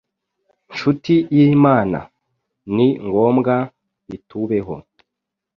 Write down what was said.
Nshuti y’ Imana. ni ngombwa bitubeho